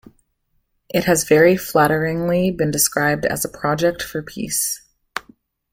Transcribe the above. It has very flatteringly been described as a project for peace.